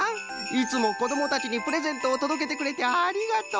いつもこどもたちにプレゼントをとどけてくれてありがとう。